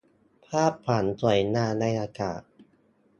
ภาพฝันสวยงามในอากาศ